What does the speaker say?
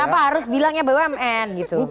kenapa harus bilangnya bumn